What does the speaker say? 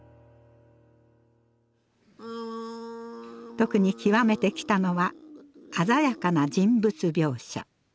特に究めてきたのは鮮やかな人物描写。